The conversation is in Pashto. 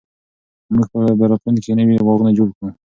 موږ به په راتلونکي کې نوي باغونه جوړ کړو.